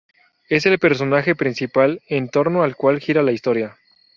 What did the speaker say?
Es el personaje principal en torno al cual gira la historia.